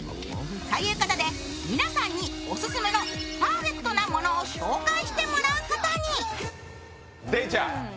ということで、皆さんにオススメのパーフェクトなものを紹介してもらうことに。